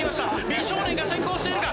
美少年が先行しているか？